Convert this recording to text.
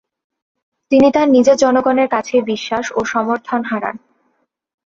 তিনি তার নিজের জনগণের কাছেই বিশ্বাস ও সমর্থন হারান।